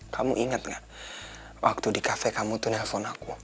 kamu ingat gak waktu di kafe kamu tuh nelfon aku